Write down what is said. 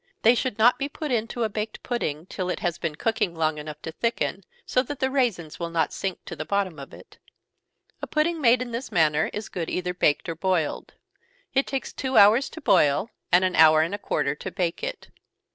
They should not be put into a baked pudding till it has been cooking long enough to thicken, so that the raisins will not sink to the bottom of it. A pudding made in this manner is good either baked or boiled. It takes two hours to boil, and an hour and a quarter to bake it.